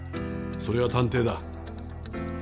それが探偵だ。